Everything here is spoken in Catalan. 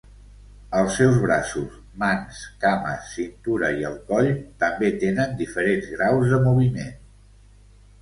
Els seus braços, mans, cames, cintura i el coll també tenen diferents graus de moviment.